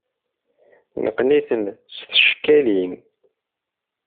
Neqqen-iten s tcekkalin.